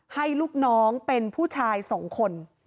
ให้ลูกน้องเป็นผู้ชายสองคน